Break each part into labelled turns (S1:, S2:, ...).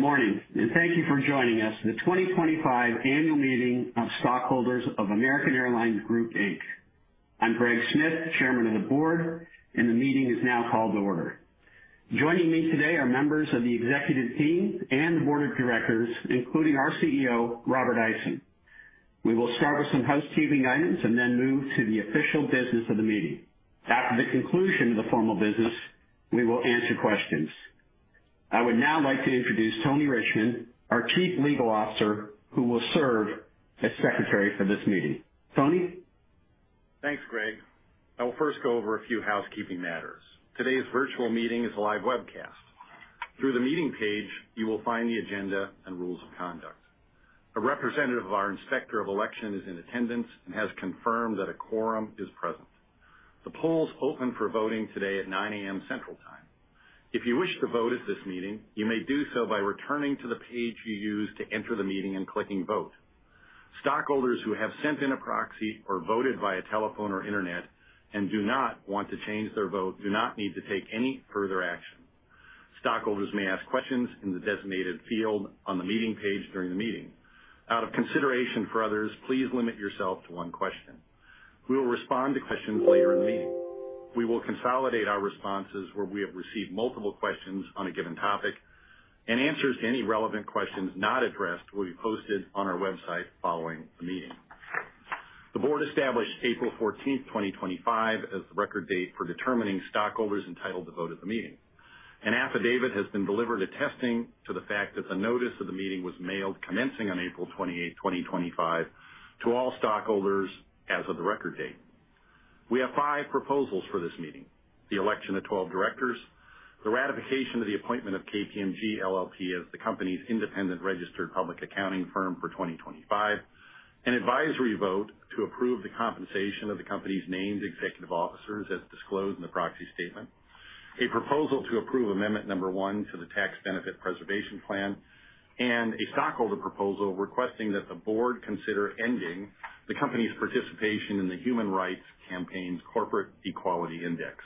S1: Good morning, and thank you for joining us for the 2025 Annual Meeting of Stockholders of American Airlines Group Inc. I'm Greg Smith, Chairman of the Board, and the meeting is now called to order. Joining me today are members of the executive team and the board of directors, including our CEO, Robert Isom. We will start with some housekeeping items and then move to the official business of the meeting. After the conclusion of the formal business, we will answer questions. I would now like to introduce Tony Richmond, our Chief Legal Officer, who will serve as Secretary for this meeting. Tony?
S2: Thanks, Greg. I will first go over a few housekeeping matters. Today's virtual meeting is a live webcast. Through the meeting page, you will find the agenda and rules of conduct. A representative of our Inspector of Elections is in attendance and has confirmed that a quorum is present. The polls open for voting today at 9:00 A.M. Central Time. If you wish to vote at this meeting, you may do so by returning to the page you used to enter the meeting and clicking "Vote." Stockholders who have sent in a proxy or voted via telephone or internet and do not want to change their vote do not need to take any further action. Stockholders may ask questions in the designated field on the meeting page during the meeting. Out of consideration for others, please limit yourself to one question. We will respond to questions later in the meeting. We will consolidate our responses where we have received multiple questions on a given topic, and answers to any relevant questions not addressed will be posted on our website following the meeting. The board established April 14, 2025, as the record date for determining stockholders entitled to vote at the meeting. An affidavit has been delivered attesting to the fact that the notice of the meeting was mailed commencing on April 28, 2025, to all stockholders as of the record date. We have five proposals for this meeting: the election of 12 directors, the ratification of the appointment of KPMG LLP as the company's independent registered public accounting firm for 2025, an advisory vote to approve the compensation of the company's named executive officers as disclosed in the proxy statement, a proposal to approve Amendment Number 1 to the Tax Benefit Preservation Plan, and a stockholder proposal requesting that the board consider ending the company's participation in the Human Rights Campaign's Corporate Equality Index.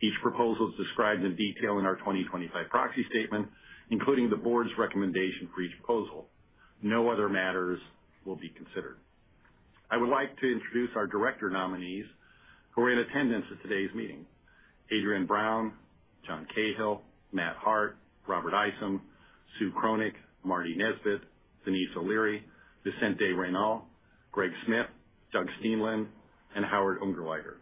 S2: Each proposal is described in detail in our 2025 proxy statement, including the board's recommendation for each proposal. No other matters will be considered. I would like to introduce our director nominees who are in attendance at today's meeting: Adriane Brown, John Cahill, Matt Hart, Robert Isom, Sue Kronick, Marty Nesbitt, Denise O'Leary, Vicente Reynal, Greg Smith, Doug Steenland, and Howard Ungerleider.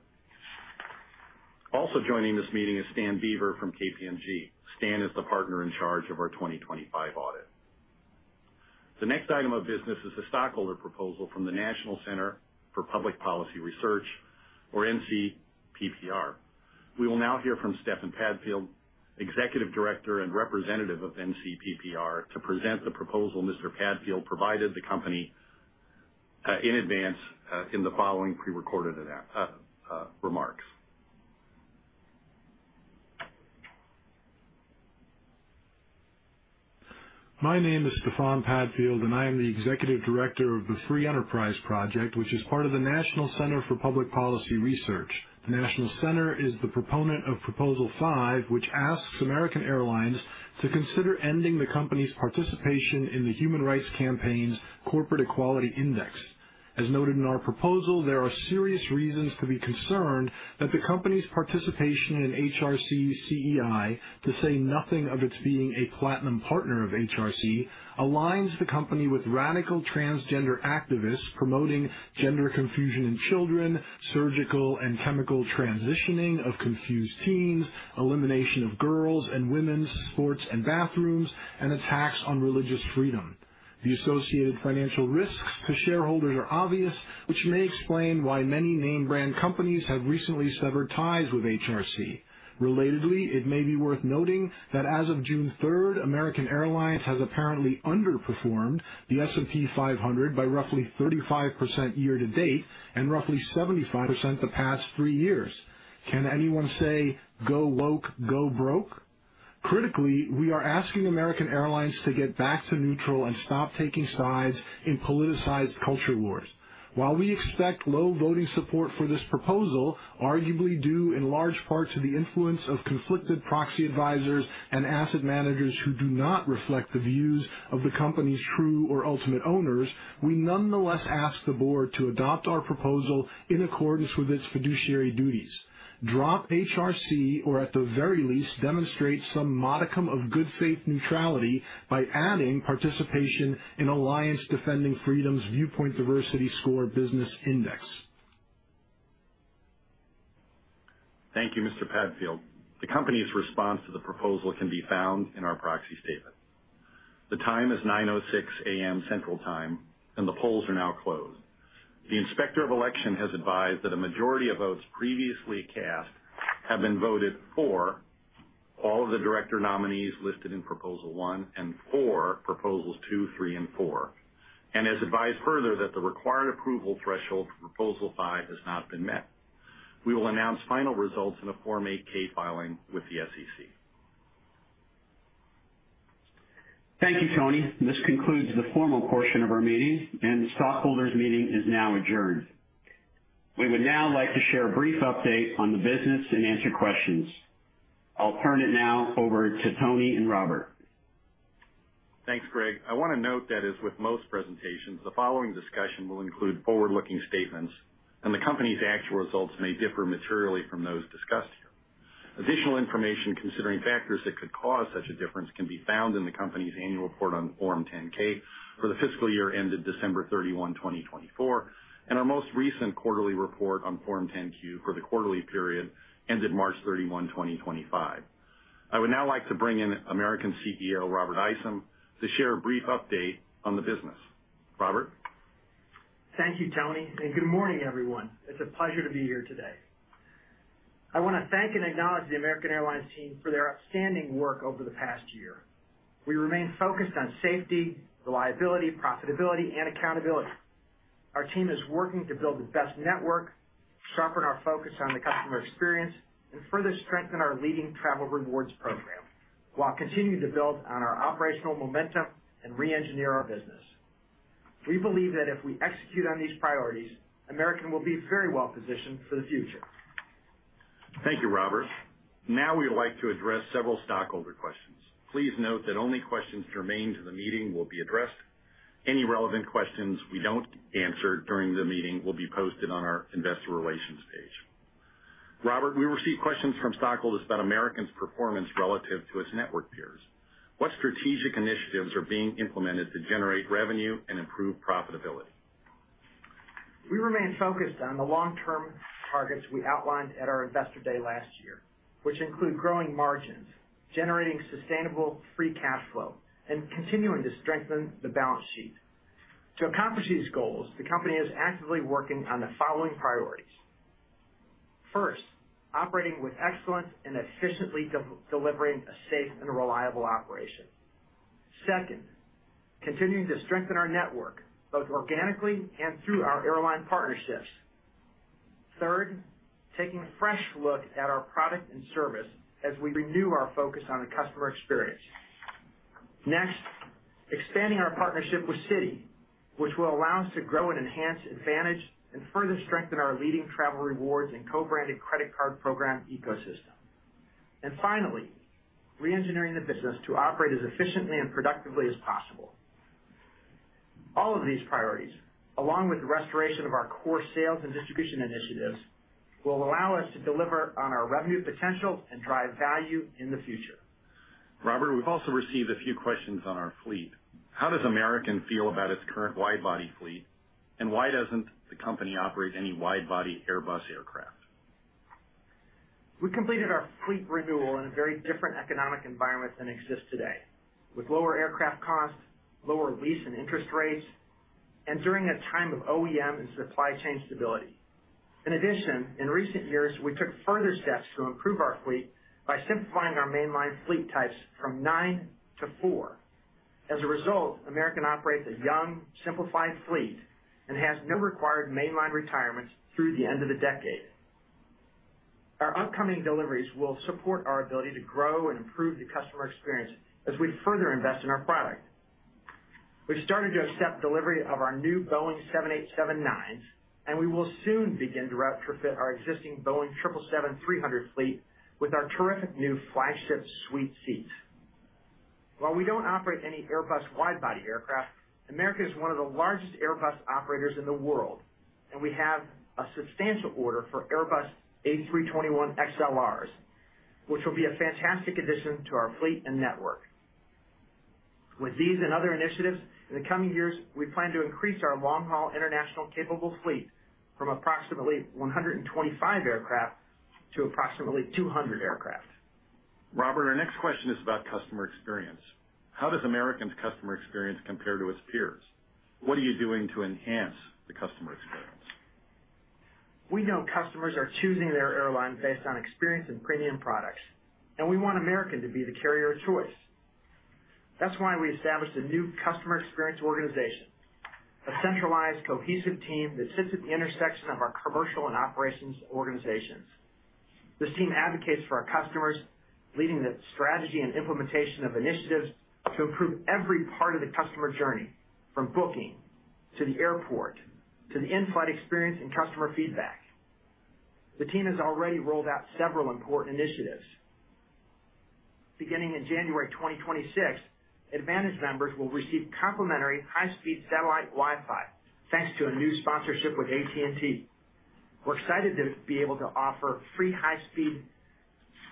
S2: Also joining this meeting is Stan Beaver from KPMG. Stan is the partner in charge of our 2025 audit. The next item of business is a stockholder proposal from the National Center for Public Policy Research, or NCPPR. We will now hear from Stefan Padfield, Executive Director and Representative of NCPPR, to present the proposal Mr. Padfield provided the company in advance in the following pre-recorded remarks.
S3: My name is Stefan Padfield, and I am the Executive Director of the Free Enterprise Project, which is part of the National Center for Public Policy Research. The National Center is the proponent of Proposal 5, which asks American Airlines to consider ending the company's participation in the Human Rights Campaign's Corporate Equality Index. As noted in our proposal, there are serious reasons to be concerned that the company's participation in HRC's CEI, to say nothing of its being a platinum partner of HRC, aligns the company with radical transgender activists promoting gender confusion in children, surgical and chemical transitioning of confused teens, elimination of girls and women's sports and bathrooms, and attacks on religious freedom. The associated financial risks to shareholders are obvious, which may explain why many name-brand companies have recently severed ties with HRC. Relatedly, it may be worth noting that as of June 3, American Airlines has apparently underperformed the S&P 500 by roughly 35% year to date and roughly 75% the past three years. Can anyone say, "Go woke, go broke"? Critically, we are asking American Airlines to get back to neutral and stop taking sides in politicized culture wars. While we expect low voting support for this proposal, arguably due in large part to the influence of conflicted proxy advisors and asset managers who do not reflect the views of the company's true or ultimate owners, we nonetheless ask the board to adopt our proposal in accordance with its fiduciary duties. Drop HRC, or at the very least, demonstrate some modicum of good faith neutrality by adding participation in Alliance Defending Freedom's Viewpoint Diversity Score Business Index.
S2: Thank you, Mr. Padfield. The company's response to the proposal can be found in our proxy statement. The time is 9:06 A.M. Central Time, and the polls are now closed. The Inspector of Elections has advised that a majority of votes previously cast have been voted for all of the director nominees listed in Proposal 1 and for Proposals 2, 3, and 4, and has advised further that the required approval threshold for Proposal 5 has not been met. We will announce final results in a Form 8-K filing with the SEC.
S1: Thank you, Tony. This concludes the formal portion of our meeting, and the stockholders' meeting is now adjourned. We would now like to share a brief update on the business and answer questions. I'll turn it now over to Tony and Robert.
S2: Thanks, Greg. I want to note that, as with most presentations, the following discussion will include forward-looking statements, and the company's actual results may differ materially from those discussed here. Additional information considering factors that could cause such a difference can be found in the company's annual report on Form 10-K for the fiscal year ended December 31, 2024, and our most recent quarterly report on Form 10-Q for the quarterly period ended March 31, 2025. I would now like to bring in American CEO Robert Isom to share a brief update on the business. Robert?
S4: Thank you, Tony, and good morning, everyone. It's a pleasure to be here today. I want to thank and acknowledge the American Airlines team for their outstanding work over the past year. We remain focused on safety, reliability, profitability, and accountability. Our team is working to build the best network, sharpen our focus on the customer experience, and further strengthen our leading travel rewards program while continuing to build on our operational momentum and re-engineer our business. We believe that if we execute on these priorities, American will be very well positioned for the future.
S2: Thank you, Robert. Now we would like to address several stockholder questions. Please note that only questions germane to the meeting will be addressed. Any relevant questions we don't answer during the meeting will be posted on our Investor Relations page. Robert, we received questions from stockholders about American's performance relative to its network peers. What strategic initiatives are being implemented to generate revenue and improve profitability?
S4: We remain focused on the long-term targets we outlined at our Investor Day last year, which include growing margins, generating sustainable free cash flow, and continuing to strengthen the balance sheet. To accomplish these goals, the company is actively working on the following priorities. First, operating with excellence and efficiently delivering a safe and reliable operation. Second, continuing to strengthen our network both organically and through our airline partnerships. Third, taking a fresh look at our product and service as we renew our focus on the customer experience. Next, expanding our partnership with Citi, which will allow us to grow and enhance AAdvantage and further strengthen our leading travel rewards and co-branded credit card program ecosystem, and finally, re-engineering the business to operate as efficiently and productively as possible. All of these priorities, along with the restoration of our core sales and distribution initiatives, will allow us to deliver on our revenue potential and drive value in the future.
S2: Robert, we've also received a few questions on our fleet. How does American feel about its current widebody fleet, and why doesn't the company operate any widebody Airbus aircraft?
S4: We completed our fleet renewal in a very different economic environment than exists today, with lower aircraft costs, lower lease and interest rates, and during a time of OEM and supply chain stability. In addition, in recent years, we took further steps to improve our fleet by simplifying our mainline fleet types from nine to four. As a result, American operates a young, simplified fleet and has no required mainline retirements through the end of the decade. Our upcoming deliveries will support our ability to grow and improve the customer experience as we further invest in our product. We've started to accept delivery of our new Boeing 787-9s, and we will soon begin to retrofit our existing Boeing 777-300 fleet with our terrific new Flagship Suite seats. While we don't operate any Airbus widebody aircraft, American is one of the largest Airbus operators in the world, and we have a substantial order for Airbus A321XLRs, which will be a fantastic addition to our fleet and network. With these and other initiatives, in the coming years, we plan to increase our long-haul international capable fleet from approximately 125 aircraft to approximately 200 aircraft.
S2: Robert, our next question is about customer experience. How does American's customer experience compare to its peers? What are you doing to enhance the customer experience?
S4: We know customers are choosing their airlines based on experience and premium products, and we want American to be the carrier of choice. That's why we established a new customer experience organization, a centralized, cohesive team that sits at the intersection of our commercial and operations organizations. This team advocates for our customers, leading the strategy and implementation of initiatives to improve every part of the customer journey, from booking to the airport to the in-flight experience and customer feedback. The team has already rolled out several important initiatives. Beginning in January 2026, AAdvantage members will receive complimentary high-speed satellite Wi-Fi, thanks to a new sponsorship with AT&T. We're excited to be able to offer free high-speed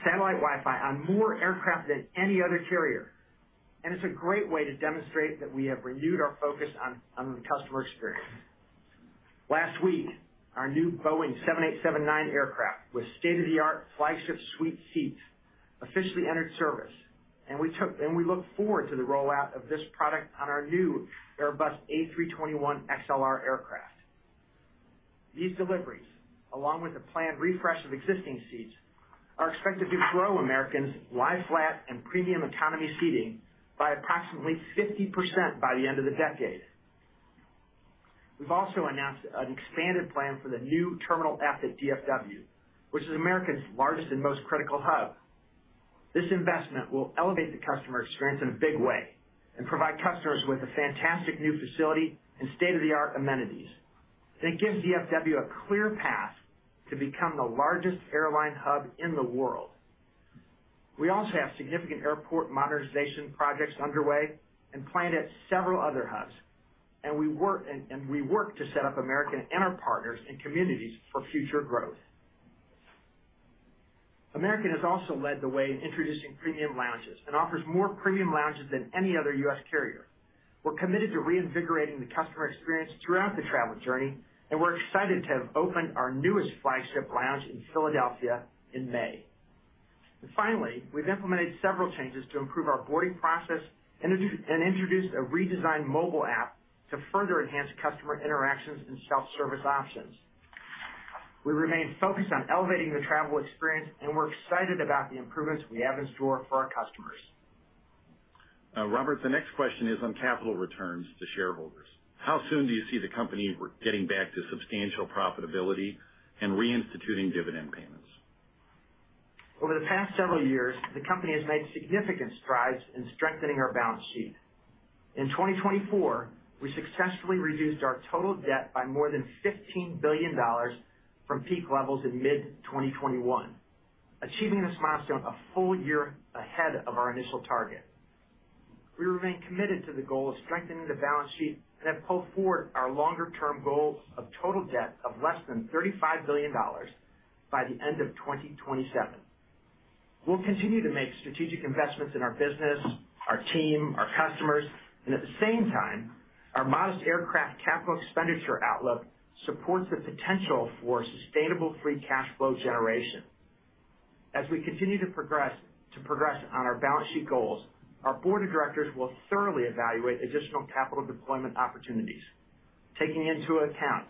S4: satellite Wi-Fi on more aircraft than any other carrier, and it's a great way to demonstrate that we have renewed our focus on the customer experience. Last week, our new Boeing 787-9 aircraft with state-of-the-art Flagship Suite seats officially entered service, and we look forward to the rollout of this product on our new Airbus A321XLR aircraft. These deliveries, along with the planned refresh of existing seats, are expected to grow American's lie-flat and Premium Economy seating by approximately 50% by the end of the decade. We've also announced an expanded plan for the new Terminal F at DFW, which is American's largest and most critical hub. This investment will elevate the customer experience in a big way and provide customers with a fantastic new facility and state-of-the-art amenities. It gives DFW a clear path to become the largest airline hub in the world. We also have significant airport modernization projects underway and plan to add several other hubs, and we work to set up American and our partners and communities for future growth. American has also led the way in introducing premium lounges and offers more premium lounges than any other U.S. carrier. We're committed to reinvigorating the customer experience throughout the travel journey, and we're excited to have opened our newest Flagship Lounge in Philadelphia in May. Finally, we've implemented several changes to improve our boarding process and introduced a redesigned mobile app to further enhance customer interactions and self-service options. We remain focused on elevating the travel experience, and we're excited about the improvements we have in store for our customers.
S2: Robert, the next question is on capital returns to shareholders. How soon do you see the company getting back to substantial profitability and reinstituting dividend payments?
S4: Over the past several years, the company has made significant strides in strengthening our balance sheet. In 2024, we successfully reduced our total debt by more than $15 billion from peak levels in mid-2021, achieving this milestone a full year ahead of our initial target. We remain committed to the goal of strengthening the balance sheet and have pulled forward our longer-term goal of total debt of less than $35 billion by the end of 2027. We'll continue to make strategic investments in our business, our team, our customers, and at the same time, our modest aircraft capital expenditure outlook supports the potential for sustainable free cash flow generation. As we continue to progress on our balance sheet goals, our board of directors will thoroughly evaluate additional capital deployment opportunities, taking into account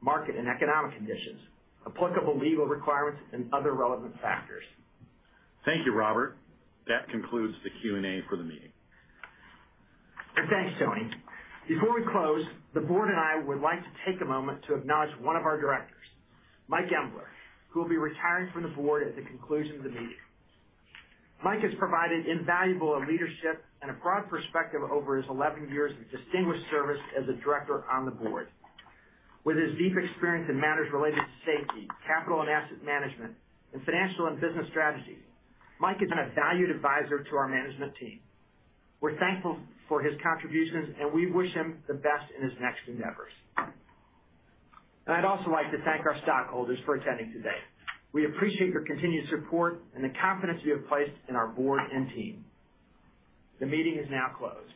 S4: market and economic conditions, applicable legal requirements, and other relevant factors.
S2: Thank you, Robert. That concludes the Q&A for the meeting.
S4: Thanks, Tony. Before we close, the board and I would like to take a moment to acknowledge one of our directors, Mike Embler, who will be retiring from the board at the conclusion of the meeting. Mike has provided invaluable leadership and a broad perspective over his 11 years of distinguished service as a director on the board. With his deep experience in matters related to safety, capital and asset management, and financial and business strategy, Mike has been a valued advisor to our management team. We're thankful for his contributions, and we wish him the best in his next endeavors. I'd also like to thank our stockholders for attending today. We appreciate your continued support and the confidence you have placed in our board and team. The meeting is now closed.